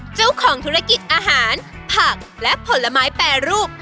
เจ้าของธุรกิจอาหารผักและผลไม้แปรรูป